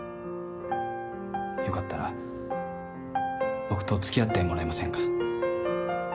よかったら僕と付き合ってもらえませんか。